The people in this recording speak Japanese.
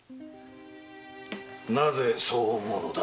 なぜそう思うのだ？